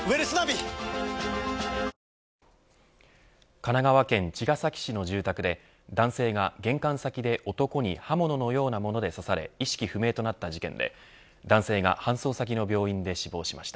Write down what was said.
神奈川県茅ヶ崎市の住宅で男性が玄関先で男に刃物のようなもので刺され意識不明となった事件で男性が搬送先の病院で死亡しました。